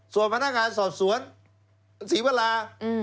ส่วนพนักงานสอบสวนศรีวรา